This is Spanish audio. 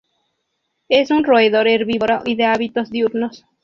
Es un roedor herbívoro y de hábitos diurnos.